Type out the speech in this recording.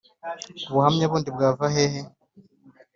ubuhamya bundi bwava hehe